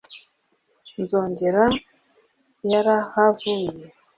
nzogera yarahavuye